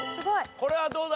これはどうだ？